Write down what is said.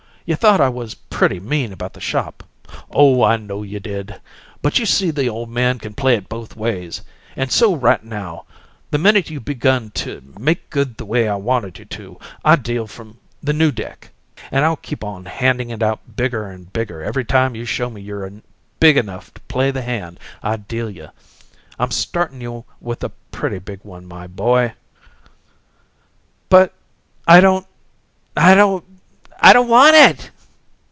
You thought I was pretty mean about the shop oh, I know you did! but you see the old man can play it both ways. And so right now, the minute you've begun to make good the way I wanted you to, I deal from the new deck. And I'll keep on handin' it out bigger and bigger every time you show me you're big enough to play the hand I deal you. I'm startin' you with a pretty big one, my boy!" "But I don't I don't I don't want it!"